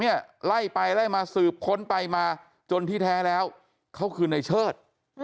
ไล่ไปไล่มาสืบค้นไปมาจนที่แท้แล้วเขาคือในเชิด